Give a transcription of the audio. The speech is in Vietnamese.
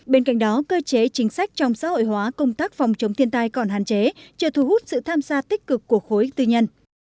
bên cạnh đó cơ chế chính sách trong xã hội hóa công tác phòng chống thiên tai còn hạn chế chờ thu hút sự tham gia tích cực của khối tư nhân